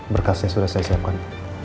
berkasnya sudah saya siapkan